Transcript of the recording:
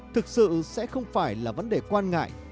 thực sự sẽ không phải là vấn đề quan ngại